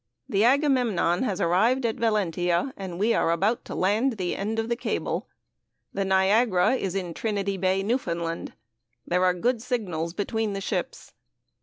The Agamemnon has arrived at Valentia, and we are about to land the end of the cable. The Niagara is in Trinity Bay, Newfoundland. There are good signals between the ships.